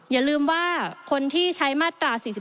อย่าลืมว่าคนที่ใช้มาตรา๔๔